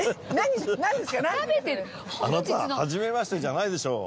あなたはじめましてじゃないでしょう。